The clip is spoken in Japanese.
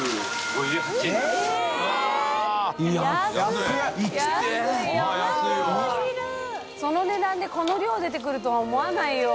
複咤硲釘味味戞その値段でこの量出てくるとは思わないよ。